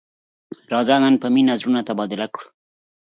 راځه نن په مینه زړونه تبادله کړو.